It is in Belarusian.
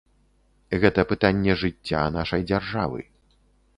Гэта пытанне жыцця нашай дзяржавы.